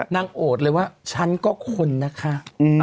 นั่งโหดเลยว่าฉันก็คนน่ะค่ะ